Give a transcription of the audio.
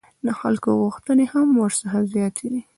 د خلکو غوښتنې هم ورڅخه زیاتې دي.